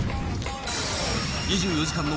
２４時間の。